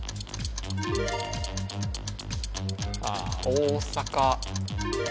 大阪。